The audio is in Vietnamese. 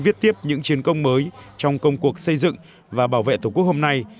viết tiếp những chiến công mới trong công cuộc xây dựng và bảo vệ tổ quốc hôm nay